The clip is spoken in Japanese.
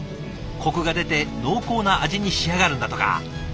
コクが出て濃厚な味に仕上がるんだとか。